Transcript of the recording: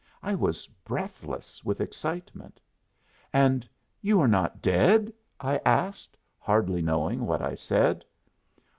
I was breathless with excitement. "And you are not dead?" I asked, hardly knowing what I said.